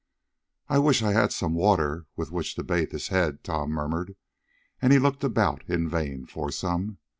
"I wish I had some water, with which to bathe his head," Tom murmured, and he looked about in vain for some.